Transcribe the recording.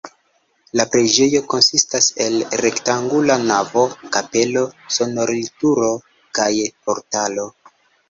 La preĝejo konsistas el rektangula navo, kapelo, sonorilturo kaj portalo.